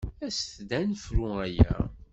Asemt-d ad nefru aya!